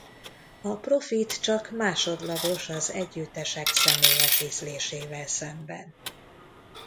A profit csak másodlagos az együttesek személyes ízlésével szemben.